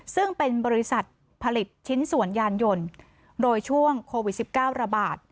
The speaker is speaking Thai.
ซึ่งเป็นบริษัทผลิตชิ้นส่วนยานยนต์โดยช่วงโควิด๑๙ระบาด